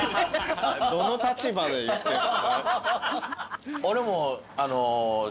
どの立場で言ってんすか。